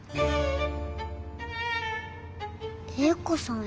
英子さん。